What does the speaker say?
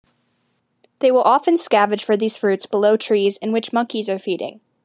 They will often scavenge for these fruits below trees in which monkeys are feeding.